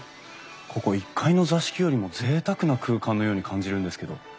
ここ１階の座敷よりもぜいたくな空間のように感じるんですけど。